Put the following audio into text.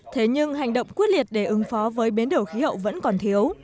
thế nhưng hành động quyết liệt để ứng phó với biến đổi khí hậu vẫn còn thiếu